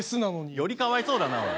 よりかわいそうだなおい。